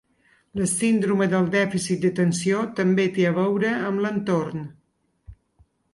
La síndrome del dèficit d’atenció també té a veure amb l’entorn.